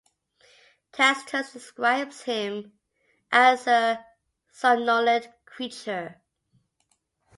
Tacitus describes him as a "somnolent creature".